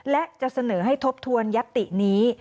และจะเสนอให้ทบทวนยัตตินี้